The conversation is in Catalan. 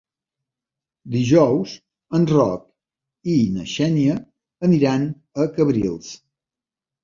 Dijous en Roc i na Xènia aniran a Cabrils.